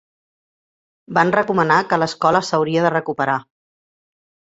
Van recomanar que l'escola s'hauria de recuperar.